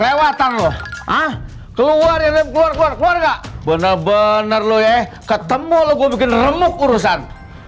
lewatang loh keluar keluar keluar bener bener lo ya ketemu lo bikin remuk urusan